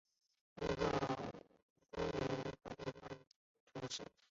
关人口变化图示